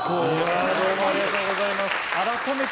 ありがとうございます。